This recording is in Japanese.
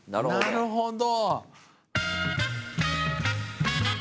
なるほど。